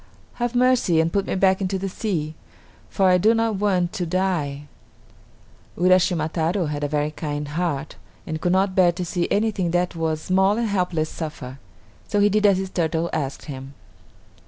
Have mercy and put me back into the sea, for I do not want to die." Uraschima Taro had a very kind heart and could not bear to see anything that was small and helpless suffer; so he did as the turtle asked him.